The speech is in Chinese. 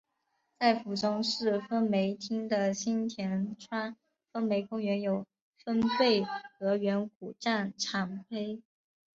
在府中市分梅町的新田川分梅公园有分倍河原古战场碑。